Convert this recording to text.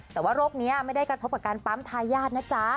แต่ว่าโรคนี้ไม่ได้กระทบกับการปั๊มทายาทนะจ๊ะ